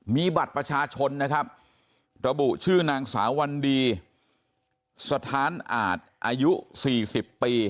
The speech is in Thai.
มีบัตรประชาชนนะครับระบุชื่อนางสาววันดีสถานอาจอายุ๔๐ปี